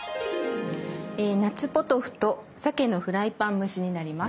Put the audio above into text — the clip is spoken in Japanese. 「夏ポトフ」と「さけのフライパン蒸し」になります。